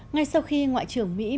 ngay sau khi ngoại trưởng mỹ